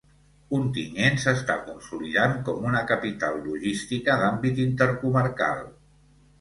Ontinyent s'està consolidant com una capital logística d'àmbit intercomarcal.